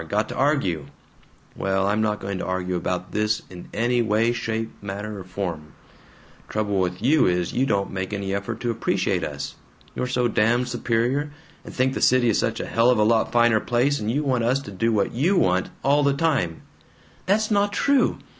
Got to argue. Well, I'm not going to argue about this in any way, shape, manner, or form. Trouble with you is, you don't make any effort to appreciate us. You're so damned superior, and think the city is such a hell of a lot finer place, and you want us to do what YOU want, all the time " "That's not true!